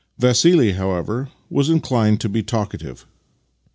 Vassili, however, was inclined to be talkative.